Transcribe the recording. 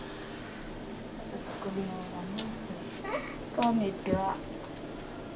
こんにちは。